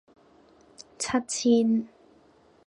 七千